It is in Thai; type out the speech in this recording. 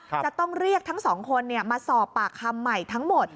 จะต้องเรียกทั้งสองคนมาสอบปากคำใหม่ทั้งหมด